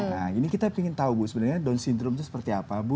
nah ini kita ingin tahu bu sebenarnya down syndrome itu seperti apa bu